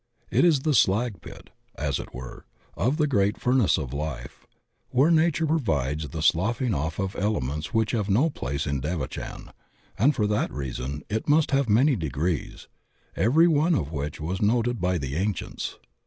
It is the slag pit, as it were, of the great furnace of life, where nature provides for the sloughing off of elements which have no place in devachan, and for that reason it must have many degrees, every one of which was noted by the ancients.